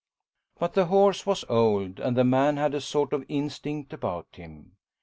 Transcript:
But the horse was old and the man had a sort of instinct about him.